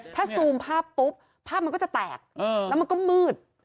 ถ้าซูมภาพปุ๊บภาพมันก็จะแตกแล้วมันก็มืด